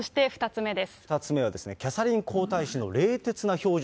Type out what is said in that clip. ２つ目はですね、キャサリン皇太子妃の冷徹な表情。